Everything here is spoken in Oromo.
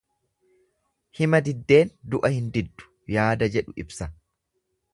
Hima diddeen du'a hin diddu yaada jedhu ibsa.